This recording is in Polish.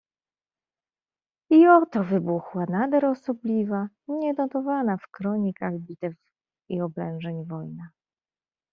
"I oto wybuchła nader osobliwa, nienotowana w kronikach bitew i oblężeń, wojna."